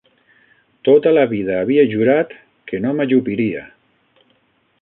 Tota la vida havia jurat que no m'ajupiria